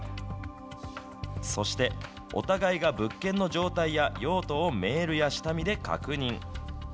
そしてお互いが物件の状態や用途をメールや下見で確認。